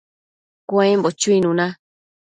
cuembo chuinuna